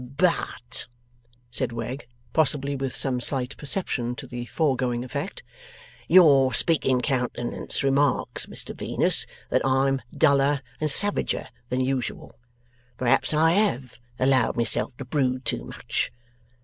'But,' said Wegg, possibly with some slight perception to the foregoing effect, 'your speaking countenance remarks, Mr Venus, that I'm duller and savager than usual. Perhaps I HAVE allowed myself to brood too much.